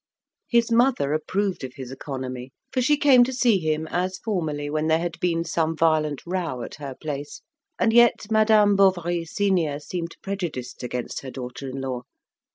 His mother approved of his economy, for she came to see him as formerly when there had been some violent row at her place; and yet Madame Bovary senior seemed prejudiced against her daughter in law.